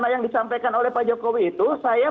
yang disampaikan oleh pak jokowi itu saya